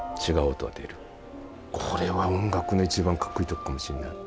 これは音楽の一番かっこいいとこかもしんない。